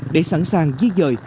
để sẵn sàng dưới dời